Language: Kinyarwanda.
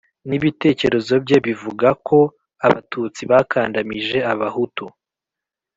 n ibitekerezo bye bivuga ko Abatutsi bakandamije Abahutu